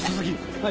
はい。